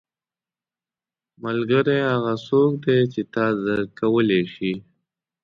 • ملګری هغه څوک دی چې تا درک کولی شي.